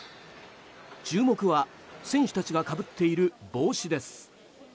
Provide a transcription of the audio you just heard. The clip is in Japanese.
注目は選手たちがかぶっている帽子です。